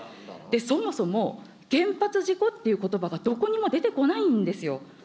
そもそも、原発事故ってことばがどこにも出てこないんですよ。